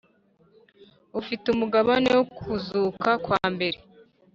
ufite umugabane wo kuzuka kwa mbere